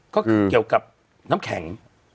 เขาเกี่ยวกับน้ำแข็ง